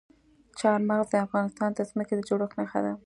چار مغز د افغانستان د ځمکې د جوړښت نښه ده.